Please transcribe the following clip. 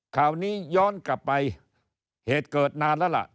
ข่าวนี้ย้อนกลับไปเหตุเกิดนานแล้วล่ะ